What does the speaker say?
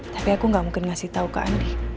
tapi aku gak mungkin ngasih tau ke andi